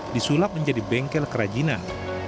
disulap menjadi bengkel kerajinan